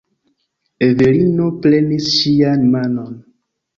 Evelino prenis ŝian manon.